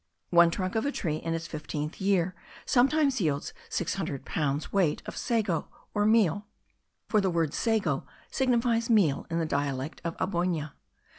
One trunk of a tree in its fifteenth year sometimes yields six hundred pounds weight of sago, or meal (for the word sago signifies meal in the dialect of Amboyna).